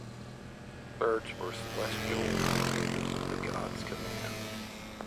Birds were celestial indicators of the gods' commands.